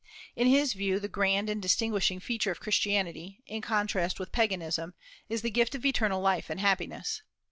In his view the grand and distinguishing feature of Christianity, in contrast with Paganism, is the gift of eternal life and happiness.